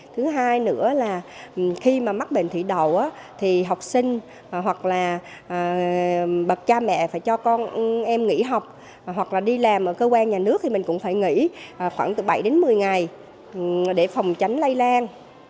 thứ hai nữa là khi mà mắc bệnh thủy đồ thì học sinh hoặc là bậc cha mẹ phải cho con em nghỉ học hoặc là đi làm ở cơ quan nhà nước thì mình cũng phải nghỉ khoảng từ bảy đến một mươi ngày để phòng tránh lây lan